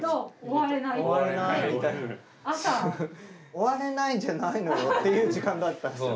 終われないじゃないのよっていう時間だったんですよ。